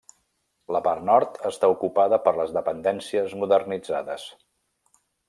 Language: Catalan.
La part nord està ocupada per les dependències modernitzades.